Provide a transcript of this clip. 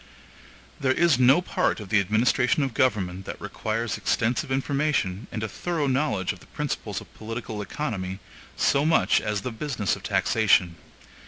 There is no part of the administration of government that requires extensive information and a thorough knowledge of the principles of political economy, so much as the business of taxation.